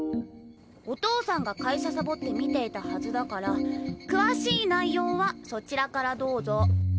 お父さんが会社サボって観ていたはずだから詳しい内容はそちらからどうぞ。